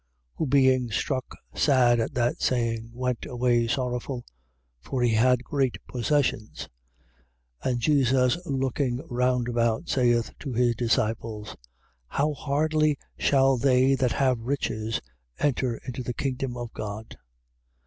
10:22. Who being struck sad at that saying, went away sorrowful: for he had great possessions. 10:23. And Jesus looking round about, saith to his disciples: How hardly shall they that have riches enter into the kingdom of God!